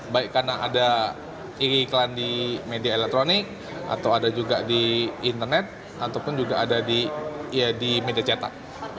baik karena ada iklan di media elektronik atau ada juga di internet ataupun juga ada di media cetak